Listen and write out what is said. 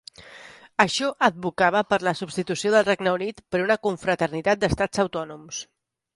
Això advocava per la substitució del Regne Unit per una "confraternitat" d'Estats autònoms.